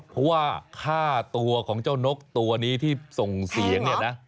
เพราะว่าค่าตัวของเจ้านกตัวนี้ที่ส่งเสียงเนี่ยนะ